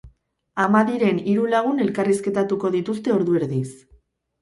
Ama diren hiru lagun elkarrizketatuko dituzte ordu erdiz.